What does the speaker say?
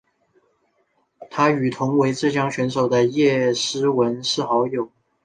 她与同为浙江选手的叶诗文是好友。